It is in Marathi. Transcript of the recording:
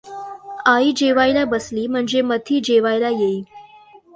आई जेवावयाला बसली म्हणजे मथी जेवायला येई.